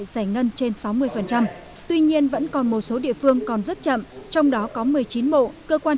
giải ngân trên sáu mươi tuy nhiên vẫn còn một số địa phương còn rất chậm trong đó có một mươi chín bộ cơ quan